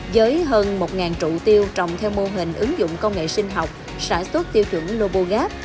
với hơn một trụ tiêu trồng theo mô hình ứng dụng công nghệ sinh học sản xuất tiêu chuẩn lobogap